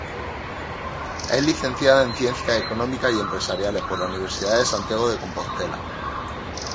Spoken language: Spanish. Es licenciada en Ciencias Económicas y Empresariales por la Universidad de Santiago de Compostela.